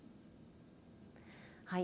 はい。